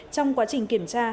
trong quá trình kiểm tra